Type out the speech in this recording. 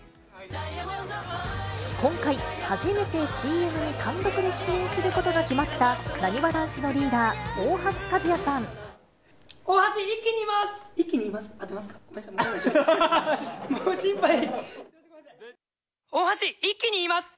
今回、初めてＣＭに単独で出演することが決まった、なにわ男子のリーダ大橋一気に言います。